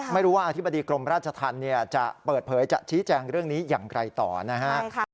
ไม่รู้ว่าอธิบดีกรมราชธรรมจะเปิดเผยจะชี้แจงเรื่องนี้อย่างไรต่อนะฮะ